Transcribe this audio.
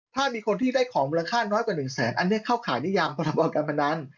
ถ้ามีคนที่ได้ของมูลค่าน้อยกว่า๑แสนอันนี้เข้าข่ายนิยามพรบการพนัน